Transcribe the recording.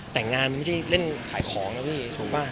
แต่งงานมันไม่ใช่เล่นขายของนะพี่ถูกป่ะ